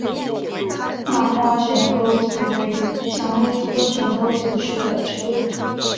大花悬钩子为蔷薇科悬钩子属的植物。